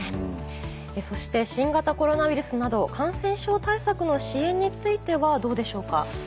そして新型コロナウイルスなど感染症対策の支援についてはどうでしょうか？